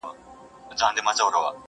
o تور سپى د وزگړي په بيه ورکوي٫